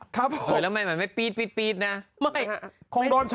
ครับผมโหยทำไมมันไม่ปี๊ดปี๊ดนะไม่คงโดน